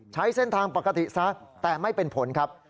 ใช้เส้นทางปกติซะแต่ไม่เป็นผลครับ